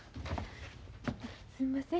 すんません。